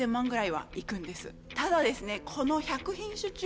ただですね